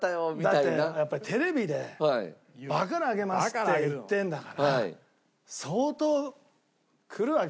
だってやっぱりテレビでバカラあげますって言ってるんだから相当来るわけですよ。